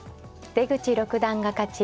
出口六段が勝ち